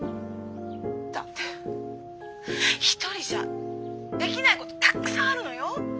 だって一人じゃできないことたくさんあるのよ。